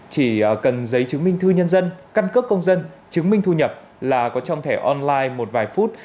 chỉ cần giấy chứng minh thư nhân dân căn cước công dân chứng minh thu nhập là có trong thẻ online một vài phút